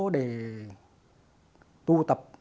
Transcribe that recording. để tu tập